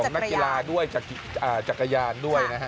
ตายกีฬาด้วยจักรยานด้วยนะฮะ